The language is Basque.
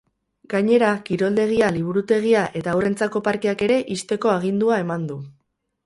Gainera, kiroldegia, liburutegia eta haurrentzako parkeak ere ixteko agindua eman du.